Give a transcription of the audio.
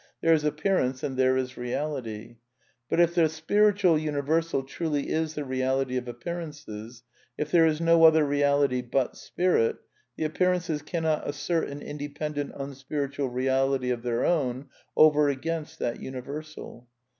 There is appearance and there is reality. But if the spiritual universal truly is the reality ( of appearances; if there is no other reality but Spirit, the \ appearances cannot assert an independent unspiritual real \ ity of their own over against that universal.